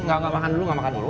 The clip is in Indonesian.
nggak makan dulu nggak makan dulu